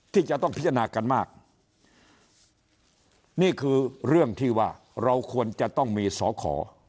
ที่จะต้องพิจารณากันมากนี่คือเรื่องที่ว่าเราควรจะต้องมีสอขอ